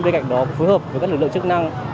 bên cạnh đó phối hợp với các lực lượng chức năng